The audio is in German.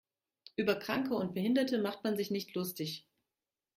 Über Kranke und Behinderte macht man sich nicht lustig.